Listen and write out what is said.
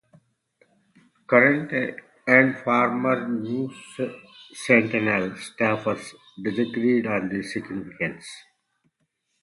Current and former "News-Sentinel" staffers disagreed on the significance.